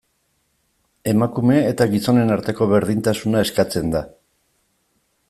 Emakume eta gizonen arteko berdintasuna eskatzen da.